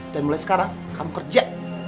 dan mulai sekarang kamu kerja